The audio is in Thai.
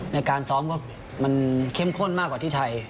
ในการซ้อมก็มันเข้มข้นมากกว่าที่ไทย